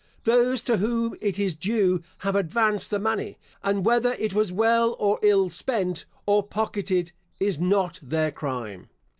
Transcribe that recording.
Those to whom it is due have advanced the money; and whether it was well or ill spent, or pocketed, is not their crime.